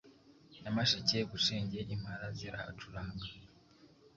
nyamasheke bushenge impala zirahacuranga